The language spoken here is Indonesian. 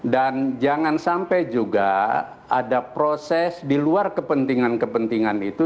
dan jangan sampai juga ada proses di luar kepentingan kepentingan itu